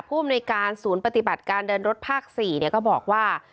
อำนวยการศูนย์ปฏิบัติการเดินรถภาค๔ก็บอกว่า